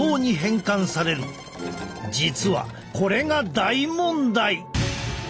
実はこれが大問題！